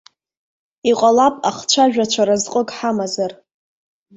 Иҟалап, ахцәажәацәа разҟык ҳамазар.